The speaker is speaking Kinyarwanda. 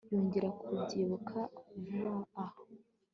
Yongeye kubyibuha vuba aha